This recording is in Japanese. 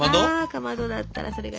かまどだったらそれがいいな。